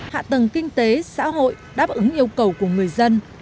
hạ tầng kinh tế xã hội đáp ứng yêu cầu của người dân